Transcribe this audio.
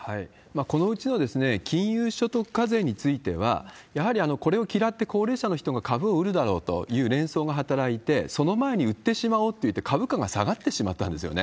このうちの金融所得課税については、やはりこれを嫌って高齢者の人が株を売るだろうという連想が働いて、その前に売ってしまおうっていって、株価が下がってしまったんですよね。